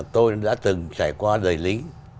tôi đã từng trải qua đời lính